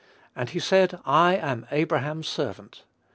"And he said, I am Abraham's servant.